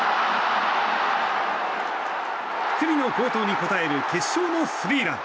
九里の好投に応える決勝のスリーラン。